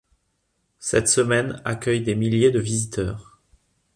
Cette semaine accueille des milliers de visiteurs.